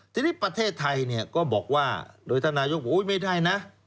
ทีนี้ประเทศไทยเนี่ยก็บอกว่าโดยท่านนายกบอกไม่ได้นะ